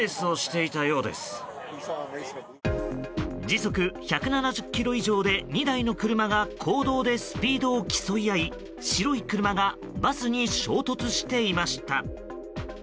時速１７０キロ以上で２台の車が公道でスピードを競い合い白い車がバスに衝突していました。